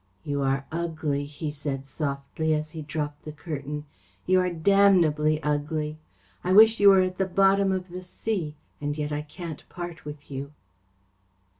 "You are ugly," he said softly, as he dropped the curtain. "You are damnably ugly! I wish you were at the bottom of the sea, and yet I can't part with you."